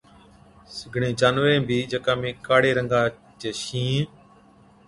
سِگڙين جانورين بِي جڪا ۾ ڪاڙي رنگا چي شِينهِين،